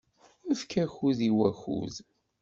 Efk akud i wakud